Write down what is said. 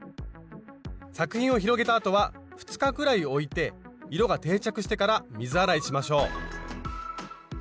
作品を広げたあとは２日くらいおいて色が定着してから水洗いしましょう。